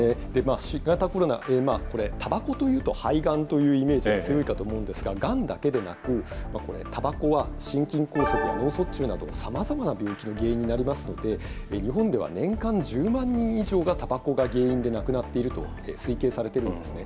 新型コロナ、たばこというと肺がんというイメージが強いかと思うんですが、がんだけでなく、たばこは心筋梗塞や脳卒中など、さまざまな病気の原因になりますので、日本では年間１０万人以上がたばこが原因で亡くなっていると推計されているんですね。